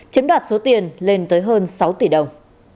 chiếm đoạt số tiền lên tới hơn sáu tỷ đồng